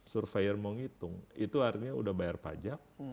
surveyor mau ngitung itu artinya udah bayar pajak